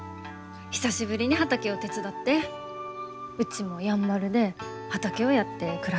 久しぶりに畑を手伝ってうちもやんばるで畑をやって暮らしたいと思った。